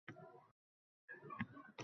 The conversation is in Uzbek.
Orqadan Bo`sh kelma, Ali